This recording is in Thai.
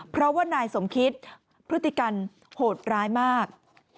เพราะว่านายสมคิตพฤติกรรมโหดร้ายมาก